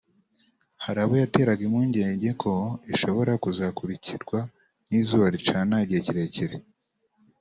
hari abo yatera impungenge ko ishobora kuzakurikirwa n’izuba ricana igihe kirekire